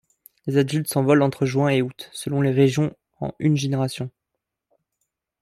Les adultes s'envolent entre juin et août, selon les régions en une génération.